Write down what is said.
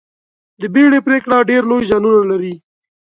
د بیړې پرېکړه ډېر لوی زیانونه لري.